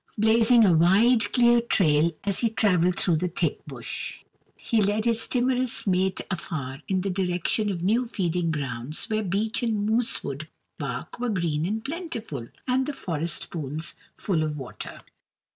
Blazing a wide, clear trail as he traveled through the thick bush, he led his timorous mate afar in the direction of new feeding grounds where beech and moose wood bark were green and plentiful, and the forest pools full of water.